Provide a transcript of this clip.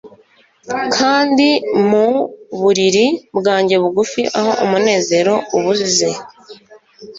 Kandi mu buriri bwanjye bugufi aho umunezero ubuze